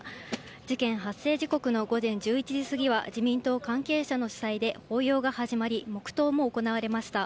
事件発生時刻の午前１１時過ぎは、自民党関係者の主催で法要が始まり、黙とうも行われました。